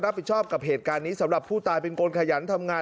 รับผิดชอบกับเหตุการณ์นี้สำหรับผู้ตายเป็นคนขยันทำงาน